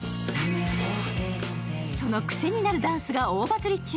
その癖になるダンスが大バズり中。